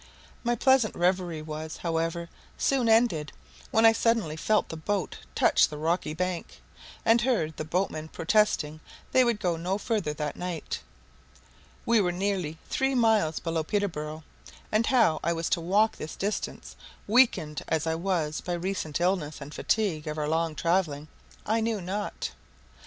My pleasant reverie was, however, soon ended, when I suddenly felt the boat touch the rocky bank, and heard the boatmen protesting they would go no further that night. We were nearly three miles below Peterborough, and how I was to walk this distance, weakened as I was by recent illness and fatigue of our long travelling, I knew not.